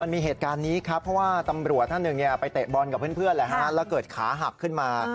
มีเหตุการณ์นี้ครับเพราะว่าตำรวจท่านหนึ่งไปเตะบอลกับเพื่อนแล้วเกิดขาหักขึ้นมา